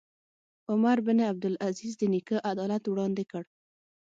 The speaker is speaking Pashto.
عمر بن عبدالعزیز د نیکه عدالت وړاندې کړ.